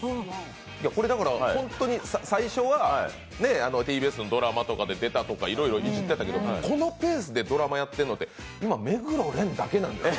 これ本当に最初はＴＢＳのドラマとか出たとか、いろいろいじってたけどこのペースでドラマやってるのは今、目黒蓮だけですよね。